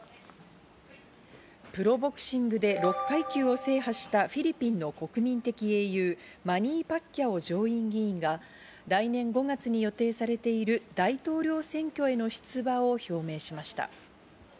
プロボクシングで６階級を制覇したフィリピンの国民的英雄マニー・パッキャオ上院議員が来年５月に予定されている大統領選挙への出馬を表明しました。